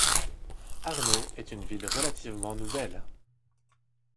Arnaud est une ville relativement nouvelle.